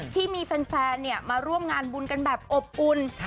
ที่มีแฟนมาร่วมงานบุญกันแบบอบอุ่น